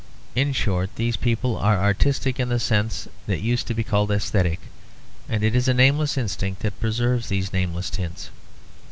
In short these people are artistic in the sense that used to be called aesthetic; and it is a nameless instinct that preserves these nameless tints.